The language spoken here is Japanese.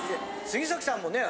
杉崎さんもね